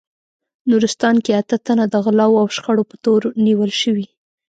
نورستان کې اته تنه د غلاوو او شخړو په تور نیول شوي